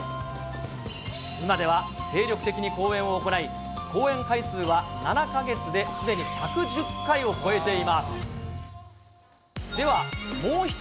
今では、精力的に講演を行い、講演回数は７か月ですでに１１０回を超えています。